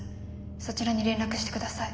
そちらに連絡してください。